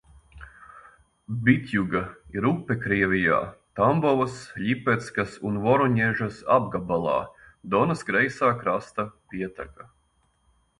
Bitjuga ir upe Krievijā, Tambovas, Ļipeckas un Voroņežas apgabalā, Donas kreisā krasta pieteka.